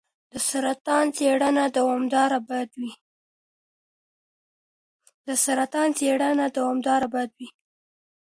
د سرطان څېړنه دوامداره باید وي.